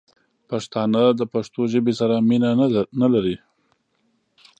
پښتانه دپښتو ژبې سره مینه نه لري